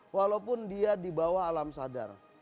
walaupun dia di bawah alam sadar